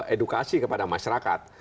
edukasi kepada masyarakat